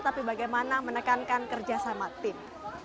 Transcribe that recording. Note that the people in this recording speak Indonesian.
tapi bagaimana menekankan kerja sama tim